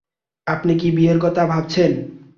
আপনি কি বিয়ের কথা ভাবছেন?